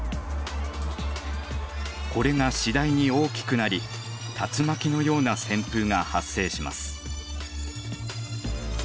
これが次第に大きくなり竜巻のような旋風が発生します。